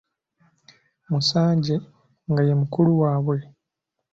Musanje nga ye mukulu waabwe.